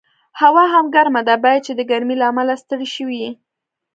هوا هم ګرمه ده، باید چې د ګرمۍ له امله ستړی شوي یې.